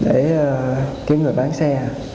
để kiếm người bán xe